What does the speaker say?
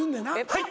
はい！